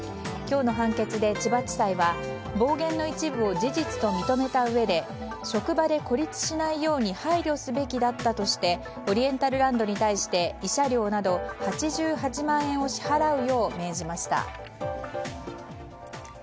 今日の判決で千葉地裁は暴言の一部を事実と認めたうえで職場で孤立しないように配慮すべきだったとしてオリエンタルランドに対して慰謝料など８８万円を支払うよう命じました。